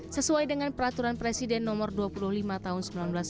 sesuai dengan peraturan presiden nomor dua puluh lima tahun seribu sembilan ratus sembilan puluh